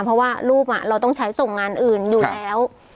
เพราะว่ารูปเราต้องใช้ส่งงานอื่นอยู่แล้ว